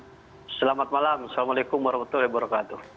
selamat malam assalamualaikum warahmatullahi wabarakatuh